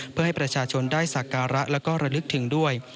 เพื่อให้ประชาชนได้สักการะแล้วก็ระลึกถึงด้วย